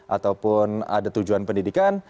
ataupun ada tujuan pendidikan